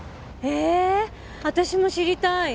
へえ私も知りたい。